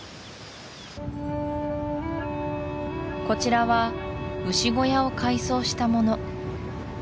こちらは牛小屋を改装したもの